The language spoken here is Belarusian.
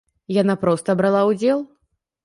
Яна проста брала ўдзел.